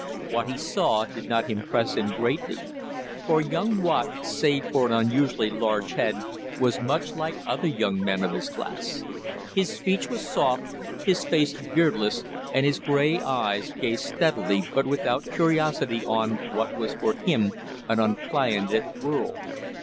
What he saw did not impress him greatly, for young Watt, save for an unusually large head, was much like other young men of his class. His speech was soft, his face beardless and his gray eyes gazed steadily but without curiosity on, what was for him, an uncliented world.